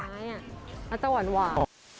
อาจจะหวานหวาน